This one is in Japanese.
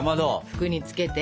服につけて。